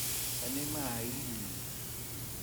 Anem a Aín.